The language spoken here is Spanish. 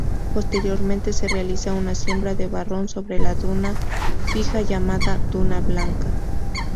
Posteriormente se realiza una siembra de barrón sobre la duna fija, llamada "duna blanca".